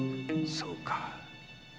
そうか。